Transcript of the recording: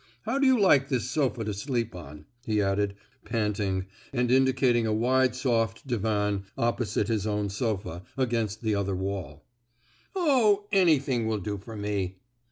How do you like this sofa to sleep on?" he added, panting, and indicating a wide, soft divan opposite his own sofa, against the other wall. "Oh—anything will do for me!"